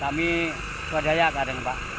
kami suadaya kadang pak